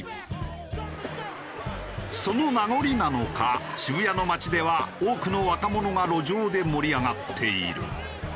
その名残なのか渋谷の街では多くの若者が路上で盛り上がっている。